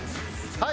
はい！